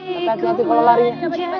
nanti nanti kalau larinya